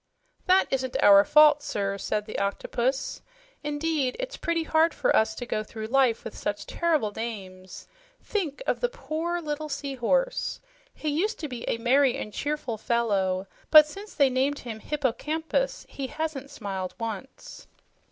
"That isn't our fault, sir," said the Octopus. "Indeed, it's pretty hard for us to go through life with such terrible names. Think of the poor little seahorse. He used to be a merry and cheerful fellow, but since they named him 'hippocampus' he hasn't smiled once."